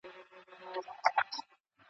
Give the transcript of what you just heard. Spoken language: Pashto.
پولیسو د پېښې ځای ته ځان رسولی دی.